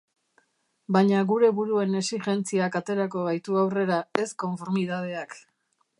Baina gure buruen exijentziak aterako gaitu aurrera, ez konformidadeak.